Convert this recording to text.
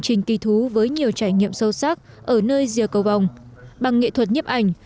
trình kỳ thú với nhiều trải nghiệm sâu sắc ở nơi rìa cầu vòng bằng nghệ thuật nhiếp ảnh